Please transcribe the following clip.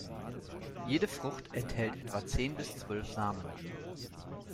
Jede Frucht enthält etwa zehn bis zwölf Samen.